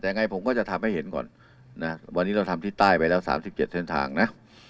แต่ยังไงผมก็จะทำให้เห็นก่อนนะวันนี้เราทำที่ใต้ไปแล้ว๓๗เส้นทางนะ